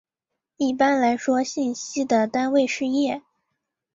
一般来说信息的单位是页。